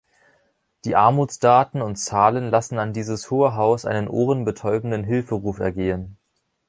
Die Armutsdaten und –zahlen lassen an dieses Hohe Haus einen Ohren betäubenden Hilferuf ergehen.